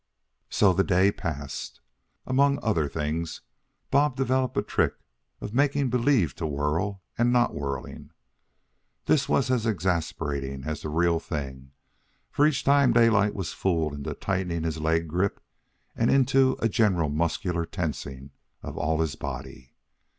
So the day passed. Among other things, Bob developed a trick of making believe to whirl and not whirling. This was as exasperating as the real thing, for each time Daylight was fooled into tightening his leg grip and into a general muscular tensing of all his body.